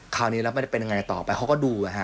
คราวนี้แล้วมันจะเป็นยังไงต่อไปเขาก็ดู